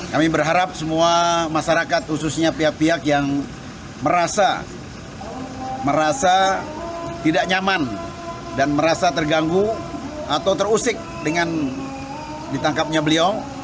kami berharap semua masyarakat khususnya pihak pihak yang merasa tidak nyaman dan merasa terganggu atau terusik dengan ditangkapnya beliau